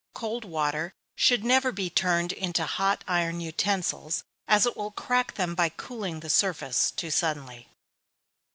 Cold water should never be turned into hot iron utensils, as it will crack them by cooling the surface too suddenly.